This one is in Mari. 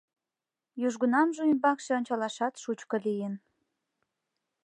Южгунамже ӱмбакше ончалашат шучко лийын.